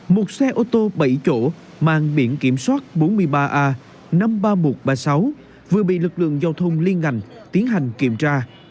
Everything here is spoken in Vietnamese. một xe ô tô bảy chỗ mang biển kiểm soát bốn mươi ba a năm mươi ba nghìn một trăm ba mươi sáu vừa bị lực lượng giao thông liên ngành tiến hành kiểm tra